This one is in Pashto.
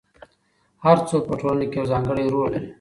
هر څوک په ټولنه کې یو ځانګړی رول لري.